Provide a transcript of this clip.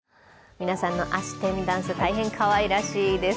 皆さんのあし天ダンス、大変かわいらしいです。